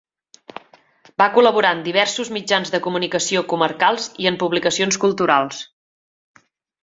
Va col·laborar en diversos mitjans de comunicació comarcals i en publicacions culturals.